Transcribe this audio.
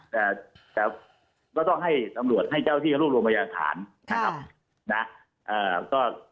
แต่ก็ต้องให้ตำรวจให้เจ้าที่รวบรวมพยาฐานนะครับนะ